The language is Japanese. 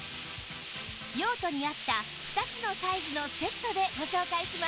用途に合った２つのサイズのセットでご紹介します